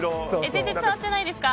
全然伝わってないですか？